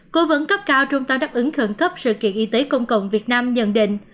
cố vấn cấp cao trung tâm đáp ứng khẩn cấp sự kiện y tế công cộng việt nam nhận định